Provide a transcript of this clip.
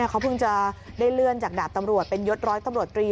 เขาเพิ่งจะได้เลื่อนจากดาบตำรวจเป็นยศร้อยตำรวจตรี